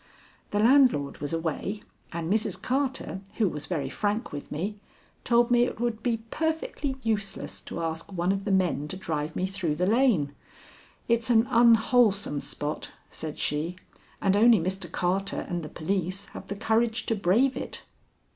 The landlord was away, and Mrs. Carter, who was very frank with me, told me it would be perfectly useless to ask one of the men to drive me through the lane. "It's an unwholesome spot," said she, "and only Mr. Carter and the police have the courage to brave it."